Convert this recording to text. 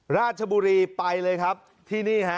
ราชบุรีไปเลยครับที่นี่ฮะ